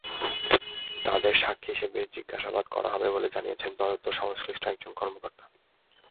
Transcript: তাঁদের সাক্ষী হিসেবে জিজ্ঞাসাবাদ করা হবে বলে জানিয়েছেন তদন্ত সংশ্লিষ্ট একজন কর্মকর্তা।